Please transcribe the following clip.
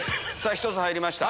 １つ入りました。